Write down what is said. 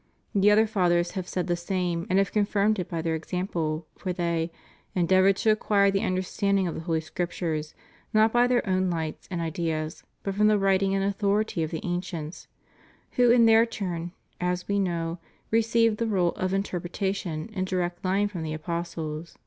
^ The other Fathers have said the same, and have confirmed it by their example, for they "endeavored to acquire the understanding of the Holy Scriptures not by their own lights and ideas but from the writing and authority of the ancients, who, in their turn, as we know, received the rule of interpreta tion in direct line from the apostles."